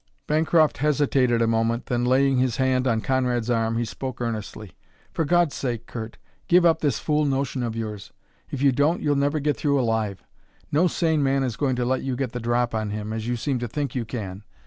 Bancroft hesitated a moment, then, laying his hand on Conrad's arm he spoke earnestly: "For God's sake, Curt, give up this fool notion of yours. If you don't, you'll never get through alive. No sane man is going to let you get the drop on him, as you seem to think you can.